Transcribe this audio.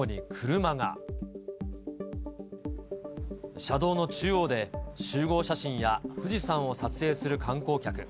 車道の中央で集合写真や富士山を撮影する観光客。